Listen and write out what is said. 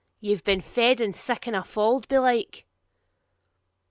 Ye've been fed in siccan a fauld, belike?'